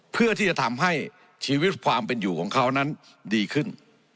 เพื่อที่จะทำให้ชีวิตความเป็นอยู่ของเขานั้นดีขึ้น